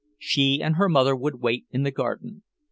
She and her mother would wait in the garden.